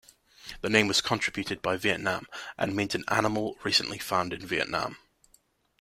The name was contributed by Vietnam and means an animal recently found in Vietnam.